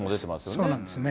そうなんですね。